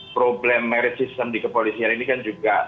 problem merit system di kepolisian ini kan juga